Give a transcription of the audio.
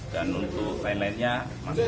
dan untuk lain lainnya masuk